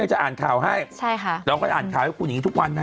จังไง